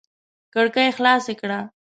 کړکۍ خلاصې کړه!